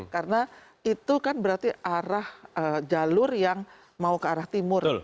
karena itu kan berarti arah jalur yang mau ke arah timur